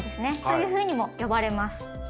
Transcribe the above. というふうにも呼ばれます。